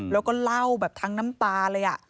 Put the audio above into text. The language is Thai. แล้วก็เล่าแบบทั้งน้ำตาเลย